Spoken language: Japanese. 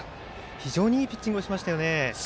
非常にいいピッチングをしました。